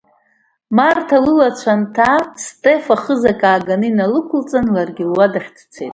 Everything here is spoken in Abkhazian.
Марҭа лылацәа анынҭаа, Стефа хызак ааганы инлықәылҵан, ларгьы луадахь дцеит.